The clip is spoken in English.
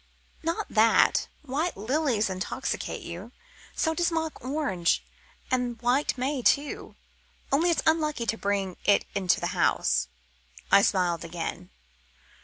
"Not that. White lilies intoxicate you, so does mock orange; and white may too, only it's unlucky to bring it into the house." I smiled again.